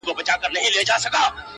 که ستا د غم حرارت ماته رسېدلی نه وای~